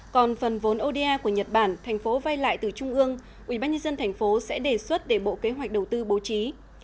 còn phần vốn oda của nhật bản thành phố vay lại từ trung ương ubnd tp sẽ đề xuất để bộ kế hoạch đầu tư bố trí